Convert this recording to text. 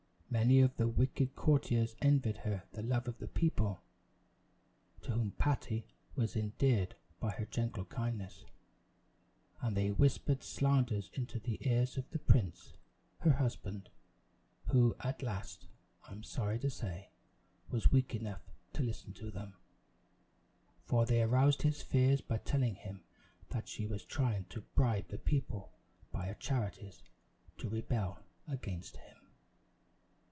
Many of the wicked courtiers envied her the love of the people, to whom Patty was endeared by her gentle kindness; and they whispered slanders into the ears of the prince, her husband, who at last, I am sorry to say, was weak enough to listen to them; for they aroused his fears by telling him that she was trying to bribe the people by her charities to rebel against him.